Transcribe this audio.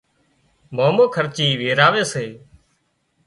مامو خرچي ويراوي سي